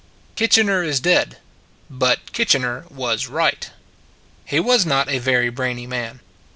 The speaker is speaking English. Kitchener is dead; but Kitchener was right. He was not a very brainy man.